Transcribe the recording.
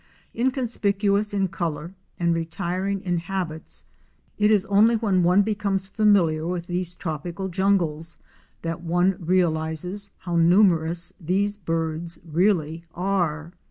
Inconspicuous in color and retiring in habits it is only when one becomes familiar with these tropical jungles that one realizes how numerous these birds really are.